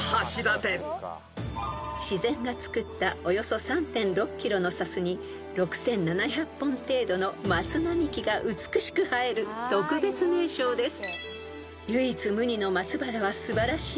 ［自然がつくったおよそ３．６ｋｍの砂州に６，７００本程度の松並木が美しく映える特別名勝です］